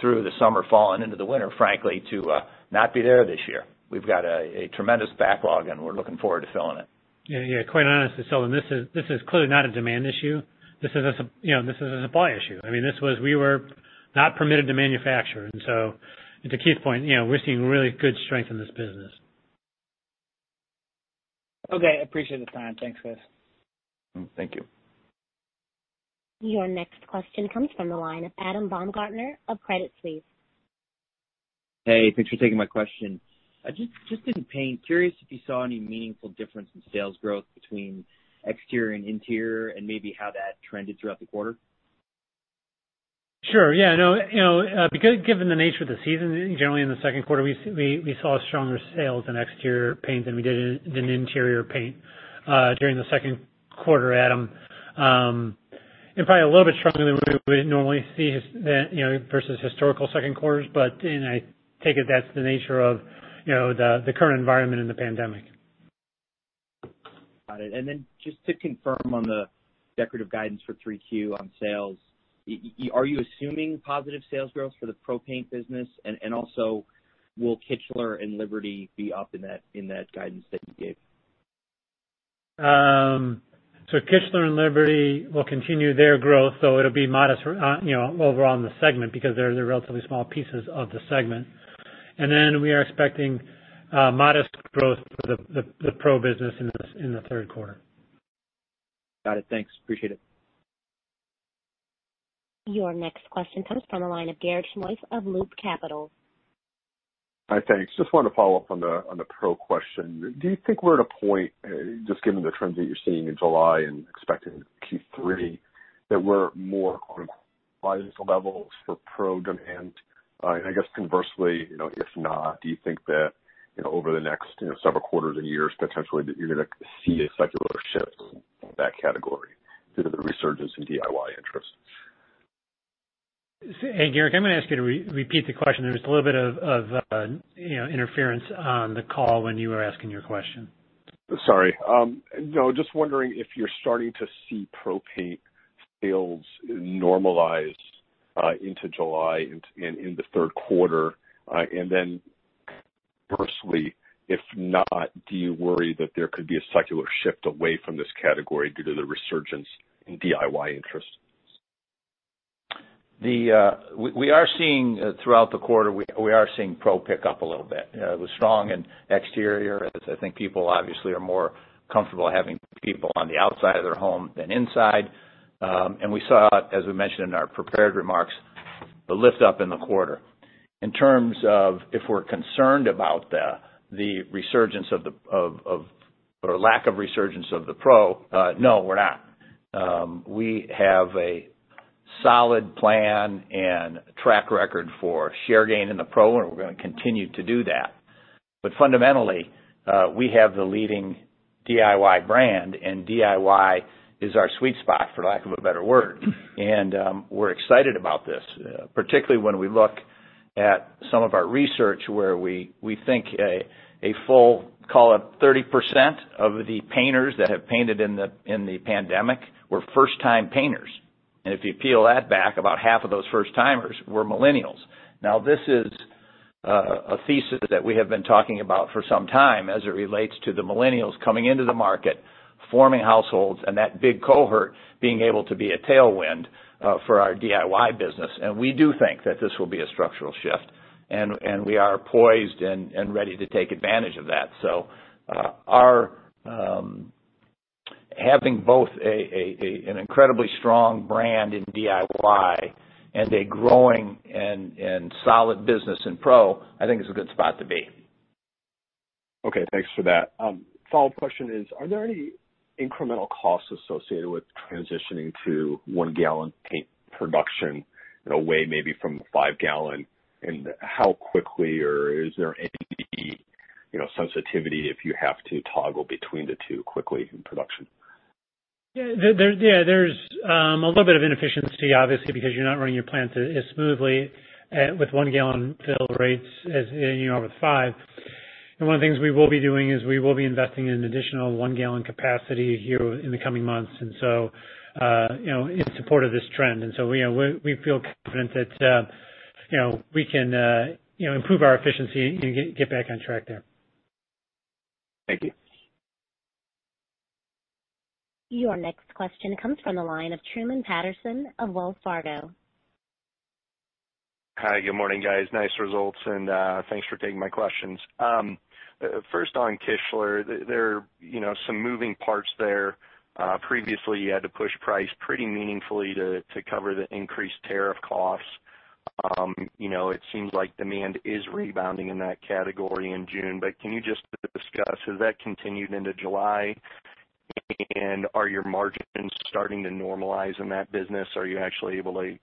through the summer, fall, and into the winter, frankly, to not be there this year. We've got a tremendous backlog, and we're looking forward to filling it. Yeah. Quite honestly, Seldon, this is clearly not a demand issue. This is a supply issue. We were not permitted to manufacture. To Keith's point, we're seeing really good strength in this business. Okay. Appreciate the time. Thanks, guys. Thank you. Your next question comes from the line of Adam Baumgarten of Credit Suisse. Hey, thanks for taking my question. Just in paint, curious if you saw any meaningful difference in sales growth between exterior and interior and maybe how that trended throughout the quarter? Sure. Yeah. Given the nature of the season, generally in the second quarter, we saw stronger sales in exterior paint than we did in interior paint during the second quarter, Adam. Probably a little bit stronger than we would normally see versus historical second quarters. I take it that's the nature of the current environment in the pandemic. Got it. Just to confirm on the decorative guidance for three Q on sales, are you assuming positive sales growth for the pro paint business? Will Kichler and Liberty be up in that guidance that you gave? Kichler and Liberty will continue their growth, so it'll be modest overall in the segment because they're the relatively small pieces of the segment. We are expecting modest growth for the pro business in the third quarter. Got it. Thanks. Appreciate it. Your next question comes from the line of Garik Shmois of Loop Capital. Hi. Thanks. Just wanted to follow up on the pro question. Do you think we're at a point, just given the trends that you're seeing in July and expecting in Q3, that we're more normalized levels for pro demand? I guess conversely, if not, do you think that over the next several quarters and years, potentially, that you're going to see a secular shift in that category due to the resurgence in DIY interest? Hey, Garik, I'm going to ask you to repeat the question. There was a little bit of interference on the call when you were asking your question. Sorry. No, just wondering if you're starting to see pro paint sales normalize into July and in the third quarter. Conversely, if not, do you worry that there could be a secular shift away from this category due to the resurgence in DIY interest? Throughout the quarter, we are seeing pro pick up a little bit. It was strong in exterior, as I think people obviously are more comfortable having people on the outside of their home than inside. We saw, as we mentioned in our prepared remarks, a lift up in the quarter. In terms of if we're concerned about the lack of resurgence of the pro, no, we're not. We have a solid plan and track record for share gain in the pro, and we're going to continue to do that. Fundamentally, we have the leading DIY brand, and DIY is our sweet spot, for lack of a better word. We're excited about this, particularly when we look at some of our research where we think a full, call it 30%, of the painters that have painted in the pandemic were first-time painters. If you peel that back, about half of those first-timers were millennials. This is a thesis that we have been talking about for some time as it relates to the millennials coming into the market, forming households, and that big cohort being able to be a tailwind for our DIY business. We do think that this will be a structural shift. We are poised and ready to take advantage of that. Having both an incredibly strong brand in DIY and a growing and solid business in pro, I think is a good spot to be. Okay, thanks for that. Follow-up question is, are there any incremental costs associated with transitioning to one-gallon paint production in a way maybe from five gallon, and how quickly, or is there any sensitivity if you have to toggle between the two quickly in production? There's a little bit of inefficiency, obviously, because you're not running your plant as smoothly with one-gallon fill rates as with five. One of the things we will be doing is we will be investing in additional one-gallon capacity here in the coming months in support of this trend. We feel confident that we can improve our efficiency and get back on track there. Thank you. Your next question comes from the line of Truman Patterson of Wells Fargo. Hi, good morning, guys. Nice results, and thanks for taking my questions. First on Kichler. There are some moving parts there. Previously, you had to push price pretty meaningfully to cover the increased tariff costs. It seems like demand is rebounding in that category in June, but can you just discuss, has that continued into July? And are your margins starting to normalize in that business? Are you actually able to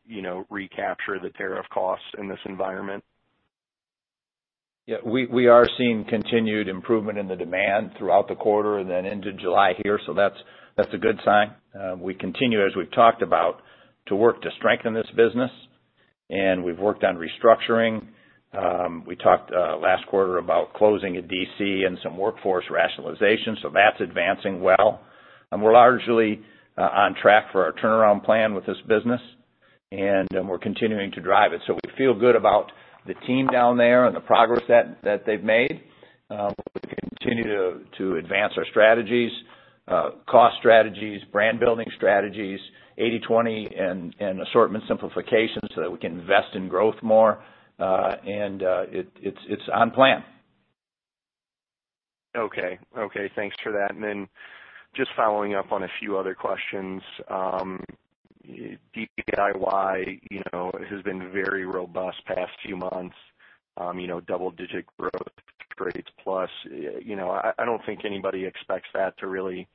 recapture the tariff costs in this environment? We are seeing continued improvement in the demand throughout the quarter and then into July here, so that's a good sign. We continue, as we've talked about, to work to strengthen this business, and we've worked on restructuring. We talked last quarter about closing a DC and some workforce rationalization, so that's advancing well. We're largely on track for our turnaround plan with this business, and we're continuing to drive it. We feel good about the team down there and the progress that they've made. We continue to advance our strategies, cost strategies, brand-building strategies, 80/20, and assortment simplifications so that we can invest in growth more. It's on plan. Okay. Thanks for that. Then just following up on a few other questions. DIY has been very robust past few months, double-digit growth rates plus. I don't think anybody expects that to really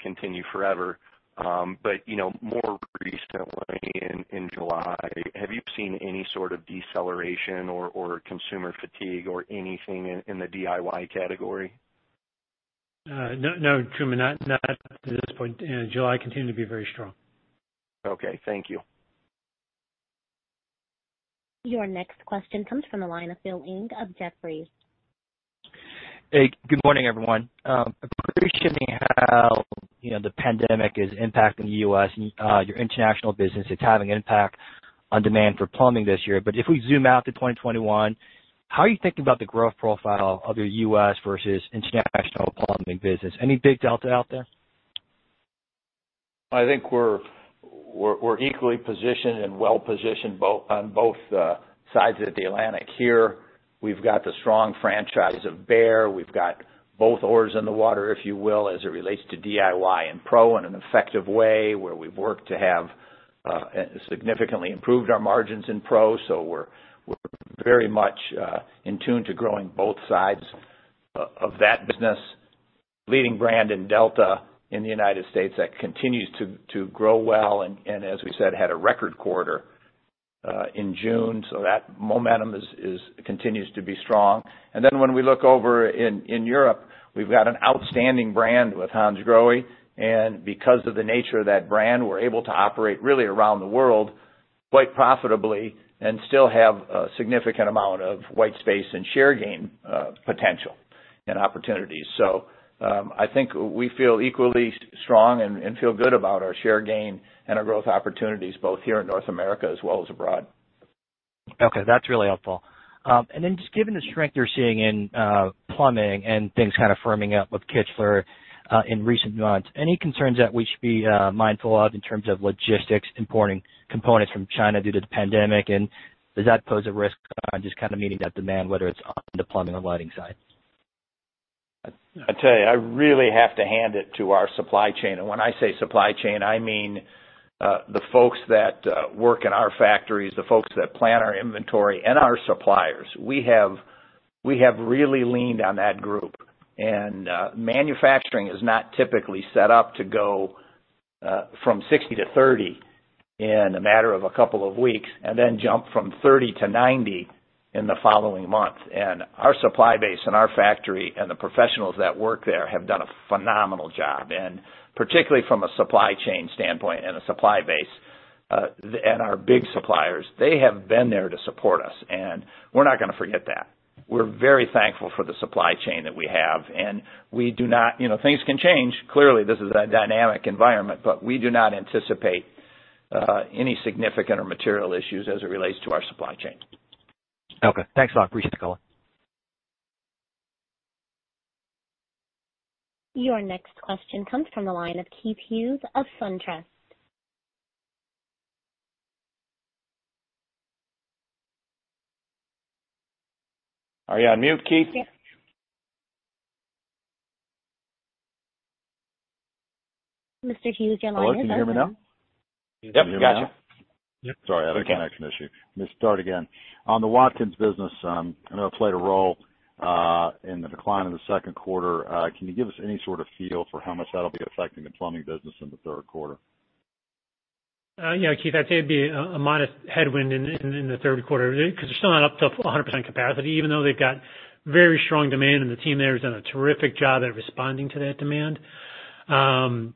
continue forever. More recently in July, have you seen any sort of deceleration or consumer fatigue or anything in the DIY category? No, Truman, not at this point. July continued to be very strong. Okay, thank you. Your next question comes from the line of Philip Ng of Jefferies. Hey, good morning, everyone. Appreciating how the pandemic is impacting the U.S., your international business, it's having an impact on demand for plumbing this year. If we zoom out to 2021, how are you thinking about the growth profile of your U.S. versus international Plumbing business? Any big delta out there? I think we're equally positioned and well-positioned on both sides of the Atlantic here. We've got the strong franchise of Behr. We've got both oars in the water, if you will, as it relates to DIY and pro in an effective way, where we've worked to have significantly improved our margins in pro. We're very much in tune to growing both sides of that business. Leading brand in Delta in the U.S., that continues to grow well, and as we said, had a record quarter in June. That momentum continues to be strong. When we look over in Europe, we've got an outstanding brand with Hansgrohe. Because of the nature of that brand, we're able to operate really around the world quite profitably and still have a significant amount of white space and share gain potential and opportunities. I think we feel equally strong and feel good about our share gain and our growth opportunities both here in North America as well as abroad. Okay. That's really helpful. Given the strength you're seeing in Plumbing and things kind of firming up with Kichler in recent months, any concerns that we should be mindful of in terms of logistics, importing components from China due to the pandemic, and does that pose a risk on just kind of meeting that demand, whether it's on the plumbing or lighting side? I tell you, I really have to hand it to our supply chain. When I say supply chain, I mean, the folks that work in our factories, the folks that plan our inventory, and our suppliers. We have really leaned on that group. Manufacturing is not typically set up to go from 60 to 30 in a matter of a couple of weeks, and then jump from 30 to 90 in the following month. Our supply base and our factory and the professionals that work there have done a phenomenal job, and particularly from a supply chain standpoint and a supply base, and our big suppliers, they have been there to support us, and we're not going to forget that. We're very thankful for the supply chain that we have, and things can change. Clearly, this is a dynamic environment, but we do not anticipate any significant or material issues as it relates to our supply chain. Okay. Thanks a lot. Appreciate the call. Your next question comes from the line of Keith Hughes of SunTrust. Are you on mute, Keith? Mr. Hughes, your line is open. Hello, can you hear me now? Yep, gotcha. Sorry, I had a connection issue. Let me start again. On the Watkins business, I know it played a role, in the decline in the second quarter. Can you give us any sort of feel for how much that'll be affecting the Plumbing business in the third quarter? Yeah, Keith, I'd say it'd be a modest headwind in the third quarter because they're still not up to 100% capacity, even though they've got very strong demand, and the team there has done a terrific job at responding to that demand.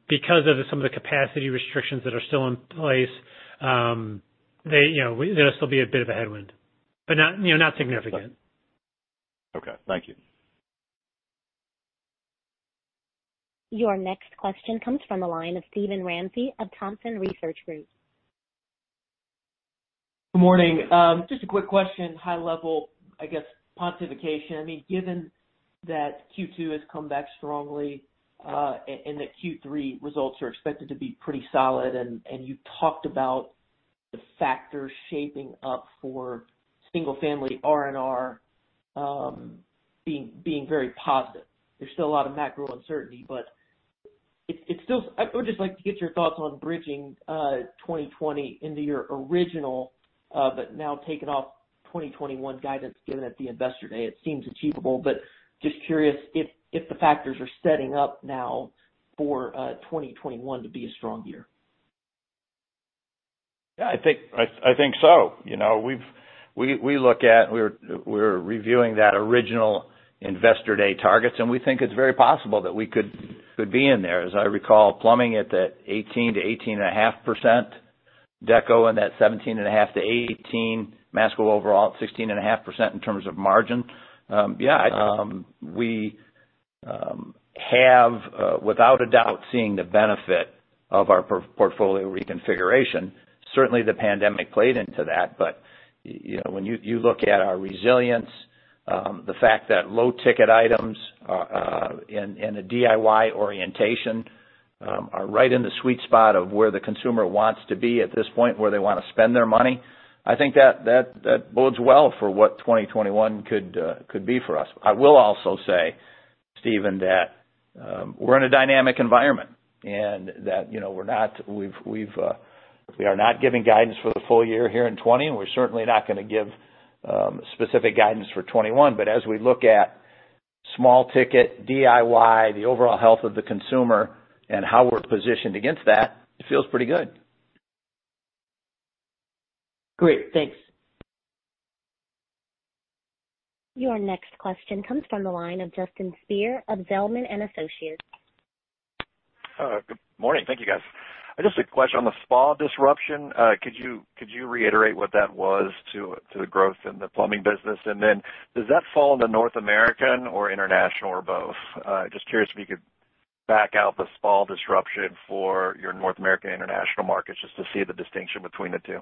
Because of some of the capacity restrictions that are still in place, there'll still be a bit of a headwind, but not significant. Okay. Thank you. Your next question comes from the line of Steven Ramsey of Thompson Research Group. Good morning. Just a quick question, high level, I guess, pontification. Given that Q2 has come back strongly, and that Q3 results are expected to be pretty solid, and you talked about the factors shaping up for single-family R&R being very positive. There's still a lot of macro uncertainty, but I would just like to get your thoughts on bridging 2020 into your original, but now taken off 2021 guidance given at the Investor Day. It seems achievable, but just curious if the factors are setting up now for 2021 to be a strong year. Yeah, I think so. We're reviewing that original Investor Day targets, and we think it's very possible that we could be in there. As I recall, Plumbing at that 18%-18.5%, Deco in that 17.5%-18%, Masco overall at 16.5% in terms of margin. Yeah. We have, without a doubt, seen the benefit of our portfolio reconfiguration. Certainly, the pandemic played into that. When you look at our resilience, the fact that low-ticket items, and the DIY orientation, are right in the sweet spot of where the consumer wants to be at this point, where they want to spend their money. I think that bodes well for what 2021 could be for us. I will also say, Steven, that we're in a dynamic environment, and that we are not giving guidance for the full year here in 2020, and we're certainly not going to give specific guidance for 2021. As we look at small ticket, DIY, the overall health of the consumer, and how we're positioned against that, it feels pretty good. Great. Thanks. Your next question comes from the line of Justin Speer of Zelman & Associates. Good morning. Thank you, guys. Just a question on the spa disruption. Could you reiterate what that was to the growth in the Plumbing business? Does that fall in the North American or International or both? Just curious if you could back out the spa disruption for your North American, International markets, just to see the distinction between the two.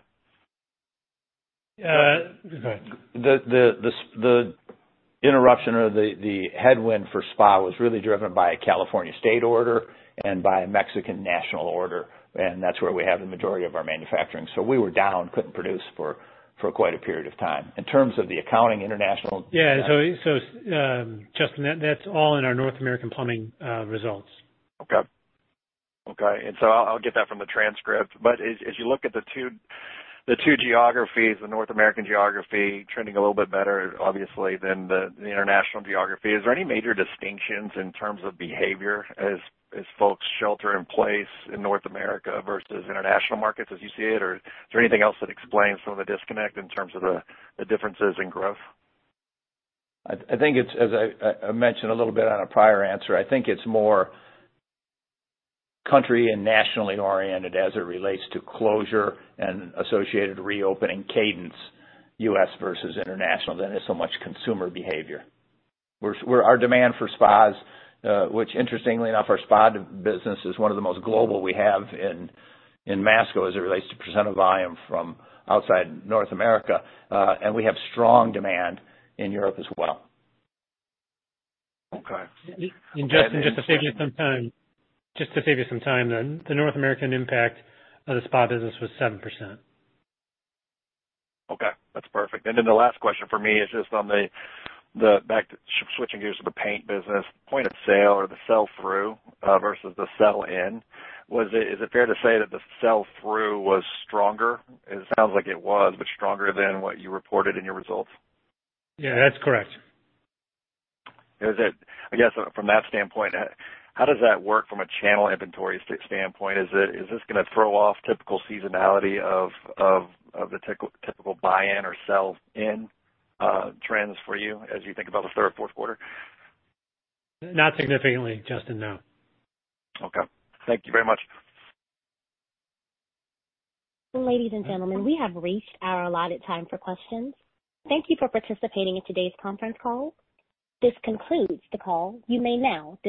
Go ahead. The interruption or the headwind for spa was really driven by a California state order and by a Mexican national order. That's where we have the majority of our manufacturing. We were down, couldn't produce for quite a period of time. In terms of the accounting international- Yeah. Justin, that's all in our North American plumbing results. Okay. I'll get that from the transcript. As you look at the two geographies, the North American geography trending a little bit better, obviously than the international geography, is there any major distinctions in terms of behavior as folks shelter in place in North America versus international markets as you see it? Is there anything else that explains some of the disconnect in terms of the differences in growth? I think as I mentioned a little bit on a prior answer, I think it's more country and nationally oriented as it relates to closure and associated reopening cadence, U.S. versus international, than it's so much consumer behavior, where our demand for spas, which interestingly enough, our spa business is one of the most global we have in Masco as it relates to percentage of volume from outside North America. We have strong demand in Europe as well. Okay. Justin, just to figure some time, the North American impact of the spa business was 7%. Okay. That's perfect. The last question from me is just on the switching gears to the paint business, point of sale or the sell-through, versus the sell in. Is it fair to say that the sell-through was stronger? It sounds like it was, but stronger than what you reported in your results? Yeah, that's correct. I guess from that standpoint, how does that work from a channel inventory standpoint? Is this going to throw off typical seasonality of the typical buy-in or sell-in trends for you as you think about the third, fourth quarter? Not significantly, Justin, no. Okay. Thank you very much. Ladies and gentlemen, we have reached our allotted time for questions. Thank you for participating in today's conference call. This concludes the call. You may now disconnect.